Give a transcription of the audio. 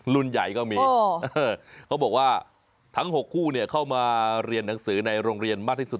รุ่นใหญ่ก็มีเขาบอกว่าทั้ง๖คู่เข้ามาเรียนหนังสือในโรงเรียนมากที่สุด